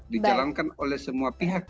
dijalankan oleh semua pihak